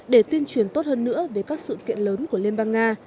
để tuyên truyền tốt hơn nữa về các sự kiện lớn của liên bang nga